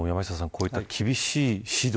こういった厳しい指導